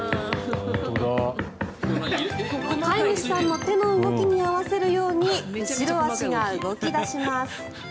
飼い主さんの手の動きに合わせるように後ろ足が動き出します。